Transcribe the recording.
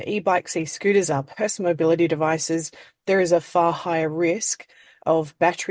di e bike e scooter dan peralatan mobil personil ada risiko yang jauh lebih tinggi dari kebakaran baterai